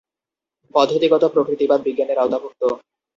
পদ্ধতিগত প্রকৃতিবাদ "বিজ্ঞানের আওতাভুক্ত"।